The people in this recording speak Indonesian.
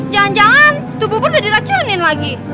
jangan jangan itu bubur udah diracunin lagi